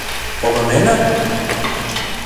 Погыненыт?